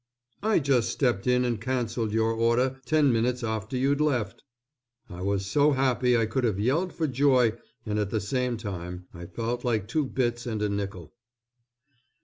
"I just stepped in and cancelled your order ten minutes after you'd left." I was so happy I could have yelled for joy and at the same time I felt like two bits and a nickel.